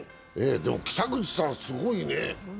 でも北口さんすごいね。